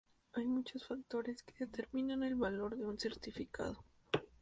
Hay muchos factores que determinan el valor de un certificado.